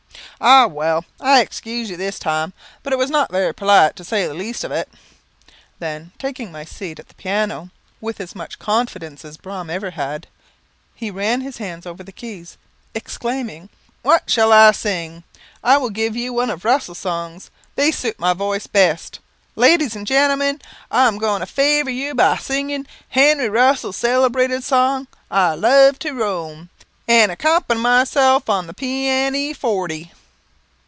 "Ah, well, I excuse you this time, but it was not very polite, to say the least of it." Then, taking my seat at the piano with as much confidence as Braham ever had, he run his hand over the keys, exclaiming "What shall I sing? I will give you one of Russell's songs; they suit my voice best. Ladies and gentlemen, I am going to favour you by singing Henry Russell's celebrated song, 'I love to roam,' and accompany myself upon the pee a ne forty."